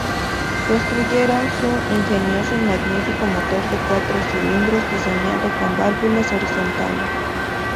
Construyeron un ingenioso y magnífico motor de cuatro cilindros diseñado con válvulas horizontales.